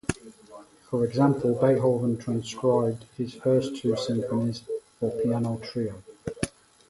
For example, Beethoven transcribed his first two symphonies for piano trio.